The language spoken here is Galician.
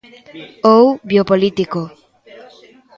Ou biopolítico.